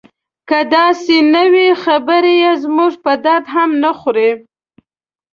که داسې نه وي خبرې یې زموږ په درد هم نه خوري.